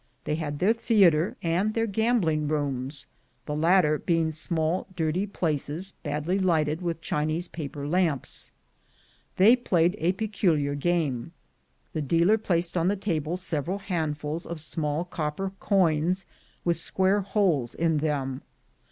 They had their theatre and their gambling rooms, the latter being small dirty places, badly lighted with Chinese paper lamps. They played a peculiar game. The dealer placed on the table several handfuls of small copper coins, with square holes in them.